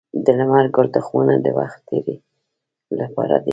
د لمر ګل تخمونه د وخت تیري لپاره دي.